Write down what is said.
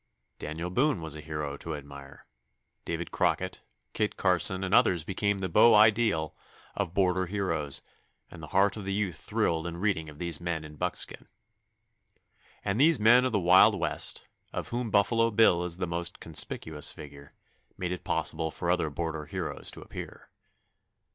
Daniel Boone was a hero to admire; David Crockett, Kit Carson, and others became the beau ideal of border heroes, and the heart of the youth thrilled in reading of these men in buckskin. And these men of the wild West, of whom Buffalo Bill is the most conspicuous figure, made it possible for other border heroes to appear.